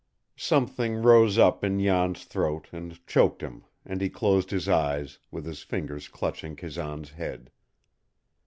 Something rose up in Jan's throat and choked him, and he closed his eyes, with his fingers clutching Kazan's head.